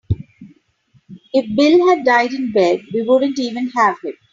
If Bill had died in bed we wouldn't even have him.